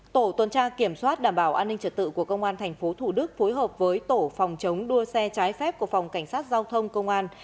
tổ tuần tra kiểm soát đảm bảo an ninh trật tự của công an tp thủ đức phối hợp với tổ phòng chống đua xe trái phép của phòng cảnh sát giao thông công an